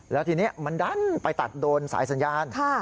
แล้วทีนี้มันดันไปตัดโดนสายสัญญาณ